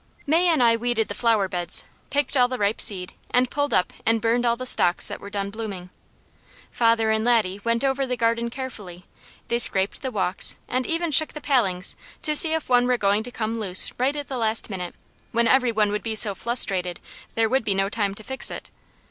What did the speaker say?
May and I weeded the flowerbeds, picked all the ripe seed, and pulled up and burned all the stalks that were done blooming. Father and Laddie went over the garden carefully; they scraped the walks and even shook the palings to see if one were going to come loose right at the last minute, when every one would be so flustrated there would be no time to fix it.